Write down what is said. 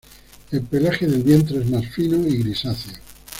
El pelaje del vientre es más fino y grisáceo.